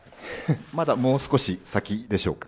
まだもう少し先でしょうか。